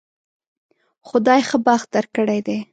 خدای ښه بخت درکړی دی